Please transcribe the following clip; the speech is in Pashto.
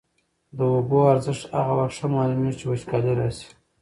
د اوبو ارزښت هغه وخت ښه معلومېږي چي وچکالي راسي.